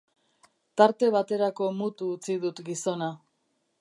Tarte baterako mutu utzi dut gizona.